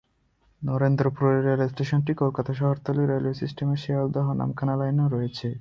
নরেন্দ্রপুর রেলস্টেশনটি কলকাতা শহরতলির রেলওয়ে সিস্টেমের শিয়ালদহ-নামখানা লাইনে রয়েছে।